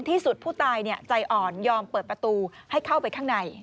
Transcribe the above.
ที่สุดผู้ตายใจอ่อนยอมเปิดประตูให้เข้าไปข้างใน